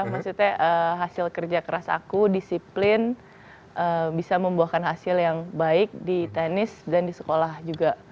maksudnya hasil kerja keras aku disiplin bisa membuahkan hasil yang baik di tenis dan di sekolah juga